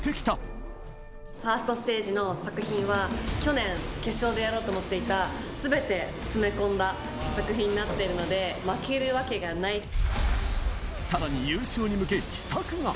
ファーストステージの作品は、去年、決勝でやろうと思っていたすべて詰め込んだ作品になってるので、さらに、優勝に向け秘策が。